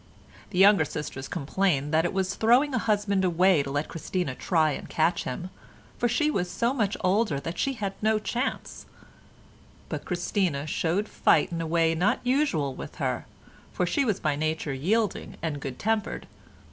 The younger sisters complained that it was throwing a husband away to let Christina try and catch him, for she was so much older that she had no chance; but Christina showed fight in a way not usual with her, for she was by nature yielding and good tempered.